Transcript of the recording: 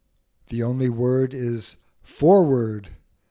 The only word is 'Forward!'